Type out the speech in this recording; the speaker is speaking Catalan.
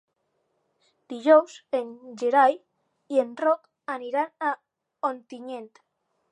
Dijous en Gerai i en Roc aniran a Ontinyent.